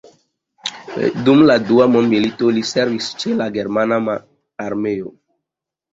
Dum la Dua mondmilito li servis ĉe la germana mararmeo.